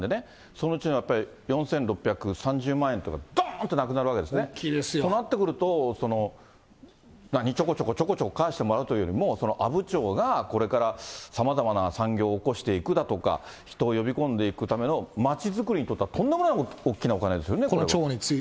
そのうちのやっぱり、４６３０万円というのがどんとなくなるわけ大きいですよ。となってくると、ちょこちょこちょこちょこ返してもらうというよりも、阿武町がこれからさまざまな産業をおこしていくだとか、人を呼び込んでいくための町づくりとか、とんでもない大きなお金ですよね。